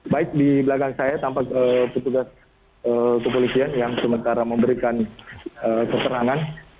baik di belakang saya tampak petugas kepolisian yang sementara memberikan keterangan